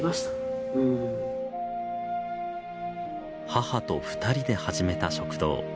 母と２人で始めた食堂。